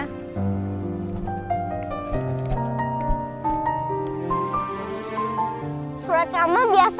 surat kamu biasa aja kok kamu bisa menang sih